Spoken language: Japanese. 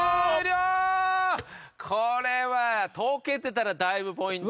これは解けてたらだいぶポイント。